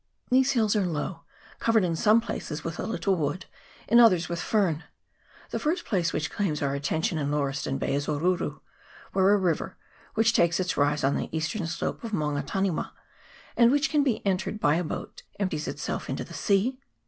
These hills are low, covered in some places with a little wood, in others with fern. The first place which claims our attention in Lau riston Bay is Oruru, where a river, which takes its rise on the eastern slope of Maunga Taniwa, and which can be entered by a boat, empties itself into the sea.